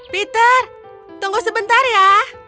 peter tunggu sebentar ya